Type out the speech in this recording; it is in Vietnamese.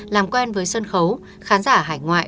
làm quen với sân khấu khán giả hải ngoại